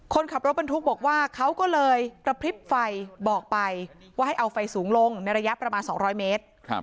คนขับรถบรรทุกบอกว่าเขาก็เลยกระพริบไฟบอกไปว่าให้เอาไฟสูงลงในระยะประมาณ๒๐๐เมตร